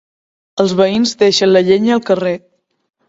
Els veïns deixen la llenya al carrer.